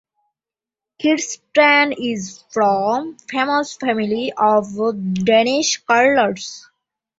Kirsten is from famous family of Danish curlers.